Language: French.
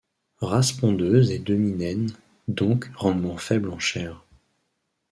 Race pondeuse et demi-naine, donc rendement faible en chair...